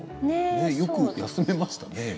よく休めましたね？